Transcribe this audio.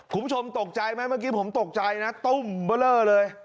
คุณผู้ชมตกใจไหมเมื่อกี้ผมตกใจนะตุ้มเบอร์เลอร์เลย